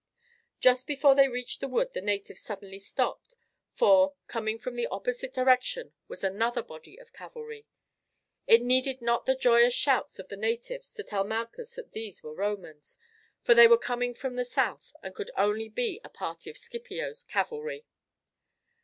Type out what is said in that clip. Just before they reached the wood the natives suddenly stopped, for, coming from the opposite direction was another body of cavalry. It needed not the joyous shouts of the natives to tell Malchus that these were Romans, for they were coming from the south and could only be a party of Scipio's cavalry.